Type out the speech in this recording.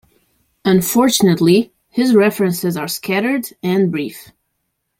Unfortunately, his references are scattered and brief.